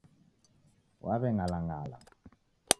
Waweng'alang'ala